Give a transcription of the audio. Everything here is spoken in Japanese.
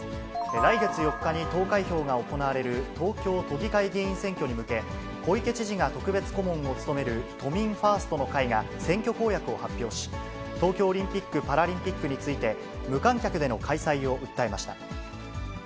来月４日に投開票が行われる東京都議会議員選挙に向け、小池知事が特別顧問を務める都民ファーストの会が選挙公約を発表し、東京オリンピック・パラリンピックについて、無観客での開催を訴えました。